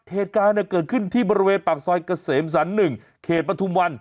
เหตุการณ์เกิดขึ้นที่บริเวณปากซอยเกษมสรร๑เขตปฐุมวัน